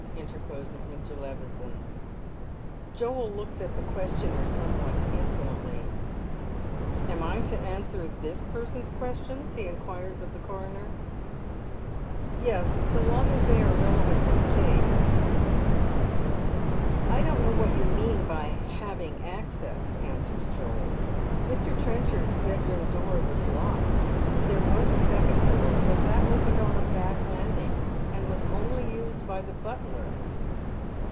" interposes Mi . Levison. Joel looks at the questioner somewhat insolently. " Am I to answer this person's questions ?" he inquires of the coroner. " Yes, so long as they are relevant to the case." " I don't know what you mean by having access," answers Joel. " Mr. Trenchard's bedroom door was locked. There was a second door, but that opened on a back landing, and was only used by the butler."